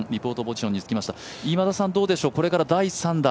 今田さん、どうでしょう、これから第３打。